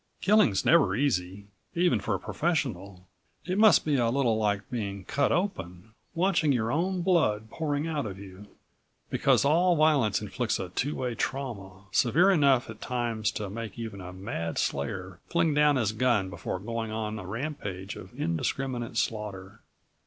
Killing's never easy, even for a professional. It must be a little like being cut open, watching your own blood pouring out of you, because all violence inflicts a two way trauma ... severe enough at times to make even a mad slayer fling down his gun before going on a rampage of indiscriminate slaughter.